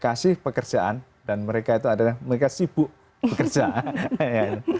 kasih pekerjaan dan mereka itu adalah mereka sibuk pekerjaan